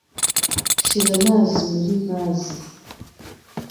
Shira amazi muri vase.